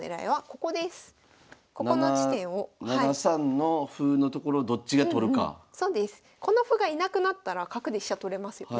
この歩がいなくなったら角で飛車取れますよね。